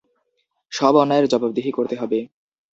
সব অন্যায়ের জবাবদিহি করতে হবে।